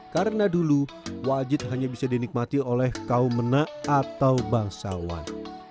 karena dulu wajit hanya bisa dinikmati oleh kaum mena atau bangsawan